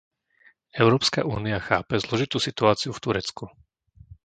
Európska únia chápe zložitú situáciu v Turecku.